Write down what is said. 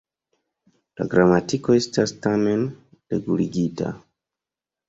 La gramatiko estas tamen reguligita.